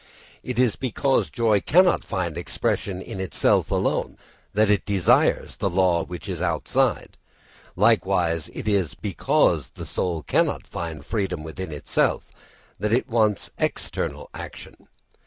It is because joy cannot find expression in itself alone that it desires the law which is outside. Likewise it is because the soul cannot find freedom within itself that it wants external action.